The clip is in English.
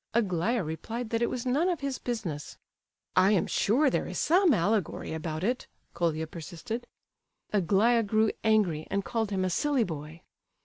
Aglaya replied that it was none of his business. "I am sure that there is some allegory about it," Colia persisted. Aglaya grew angry, and called him "a silly boy."